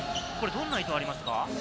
どんな意図がありますか？